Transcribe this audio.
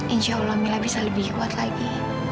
insya allah mila bisa lebih kuat lagi